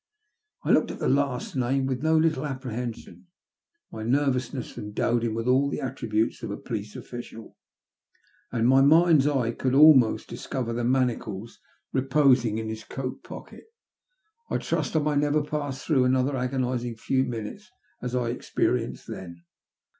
I looked at the last named with no little apprehension ; my nervous ness endowed him with all the attributes of a police official, and my mind's eye could almost discover the manacles reposing in his coat pocket. I trust I may never pass through such another SOUTH AFBICA. 221 agonizing few minates as I experienced then.